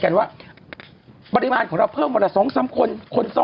พี่เราหลุดมาไกลแล้วฝรั่งเศส